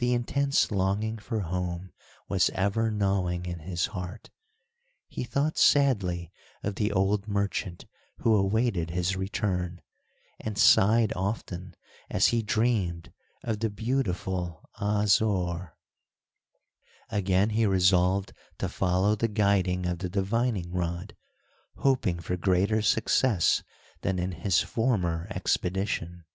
The intense longing for home was ever gnawing in his heart. He thought sadly of the old merchant who awaited his return, and sighed often as he dreamed of the beautiful Ah Zore. Again he resolved to follow the guiding of the divining rod, hoping for greater success than in his former expedition.